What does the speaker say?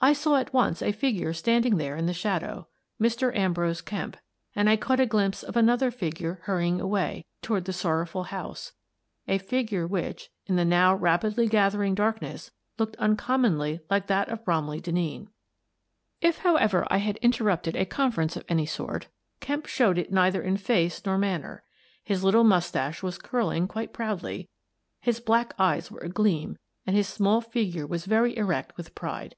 I saw at once a figure standing there in the shadow — Mr. Ambrose Kemp — and I caught a glimpse of another figure hurrying away toward the sorrowful house — a figure which, in the now rapidly gathering darkness, looked uncommonly like that of Bromley Denneen. If, however, I had interrupted a conference of any sort, Kemp showed it neither in face nor man ner. His little moustache was curling quite proudly, his black eyes were agleam, and his small figure was very erect with pride.